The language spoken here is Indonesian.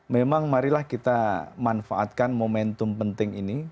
memang marilah kita manfaatkan momentum penting ini